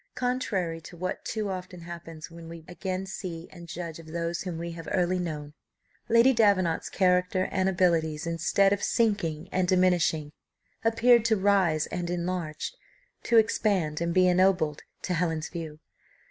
Contrary to what too often happens when we again see and judge of those whom we have early known, Lady Davenant's character and abilities, instead of sinking and diminishing, appeared to rise and enlarge, to expand and be ennobled to Helen's view.